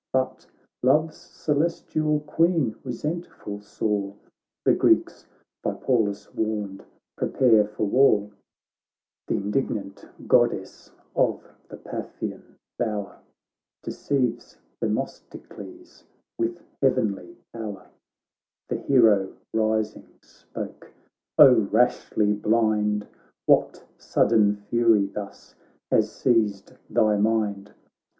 But Love's celestial Queen resentful saw The Greeks (by Pallas warned) prepare for war ; Th' indignant Goddess of the Paphian bower Deceives Themistocles with heavenly power ; The hero, rising, spoke :' O rashly blind, What sudden fury thus has seized thy mind